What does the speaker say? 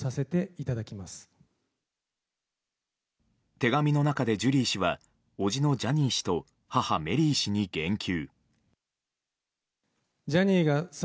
手紙の中で、ジュリー氏はおじのジャニー氏と母メリー氏に言及。